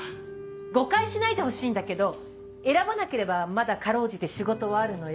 誤解しないでほしいんだけど選ばなければまだ辛うじて仕事はあるのよ。